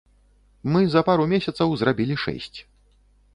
Мы за пару месяцаў зрабілі шэсць.